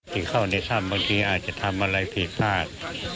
ที่เข้าในถ้ำบางทีอาจจะทำอะไรผิดพลาด